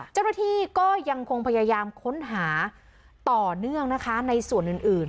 เจ้าหน้าที่ก็ยังคงพยายามค้นหาต่อเนื่องนะคะในส่วนอื่น